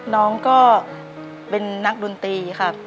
น้องก็เป็นนักดนตรีครับ